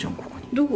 どこ？